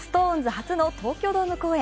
初の東京ドーム公演。